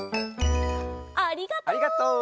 ありがとう。